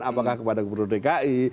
apakah kepada gubernur dki